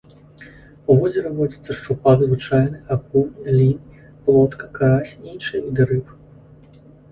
У возеры водзяцца шчупак звычайны, акунь, лінь, плотка, карась і іншыя віды рыб.